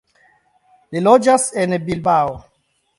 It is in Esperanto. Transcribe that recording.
Li loĝas en Bilbao.